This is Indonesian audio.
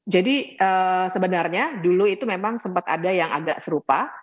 jadi sebenarnya dulu itu memang sempat ada yang agak serupa